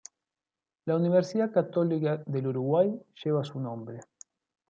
La Universidad Católica del Uruguay lleva su nombre.